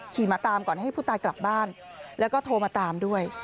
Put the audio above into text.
ขี่มาตามก่อนให้ผู้ตายกลับบ้านแล้วก็โทรมาตามด้วย